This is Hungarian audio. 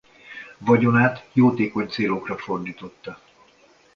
Vagyonát jótékony célokra fordította.